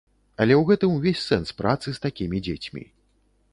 Але ў гэтым увесь сэнс працы з такімі дзецьмі.